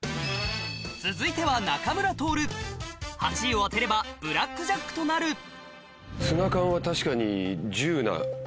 続いては仲村トオル８位を当てればブラックジャックとなる確かに。